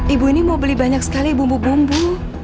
ibu ini mau beli banyak sekali bumbu bumbu